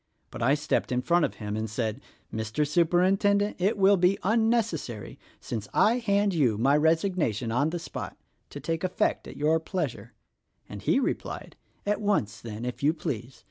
But I stepped in front of him and said, 'Mr. Superintendent, it will be unnecessary, since I hand you my resignation on the spot — to take effect at your pleasure,' and he replied, 'At once, then, if you please.